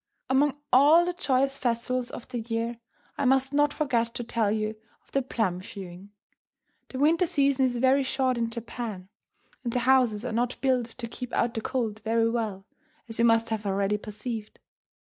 Among all the joyous festivals of the year, I must not forget to tell you of the plum viewing. The winter season is very short in Japan, and the houses are not built to keep out the cold very well, as you must have already perceived.